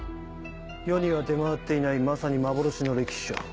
世には出回っていないまさに幻の歴史書。